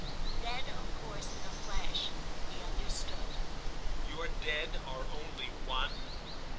Then of course in a flash he understood. "Your Dead are only One?"